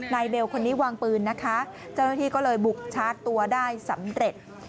เบลคนนี้วางปืนนะคะเจ้าหน้าที่ก็เลยบุกชาร์จตัวได้สำเร็จ